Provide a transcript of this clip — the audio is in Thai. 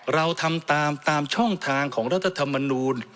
เราทำตามช่องทางของรัฐธรรมนูล